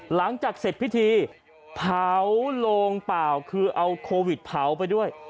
หลังจากเสร็จพิธีเผาโลงเปล่าคือเอาโควิดเผาไปด้วย